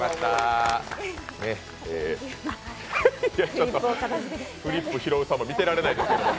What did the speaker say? ちょっとフリップ拾うさま見てられないですよ。